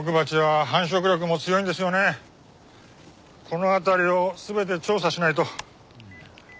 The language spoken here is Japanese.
この辺りを全て調査しないと。